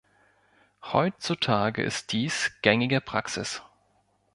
Heutzutage ist dies gängige Praxis.